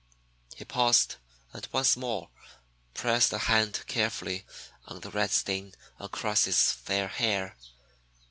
He paused and once more pressed a hand carefully on the red stain across his fair hair.